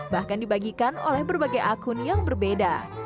bahkan dibagikan oleh berbagai akun yang berbeda